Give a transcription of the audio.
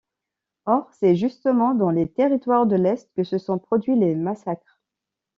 Or c’est justement dans les territoires de l’Est que se sont produits les massacres.